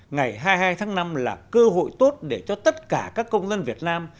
ngày hai mươi hai tháng năm là cơ hội tốt để cho tất cả các công dân việt nam